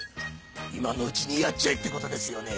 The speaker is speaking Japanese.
今のうちにやっちゃえってことですよね？